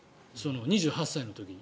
２８歳の時に。